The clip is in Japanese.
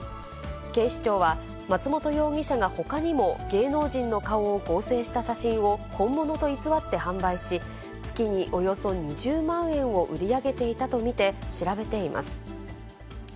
警視庁は、松本容疑者がほかにも芸能人の顔を合成した写真を本物と偽って販売し、月におよそ２０万円を売り上げていたと見て調べています。